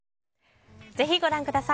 ぜひご覧ください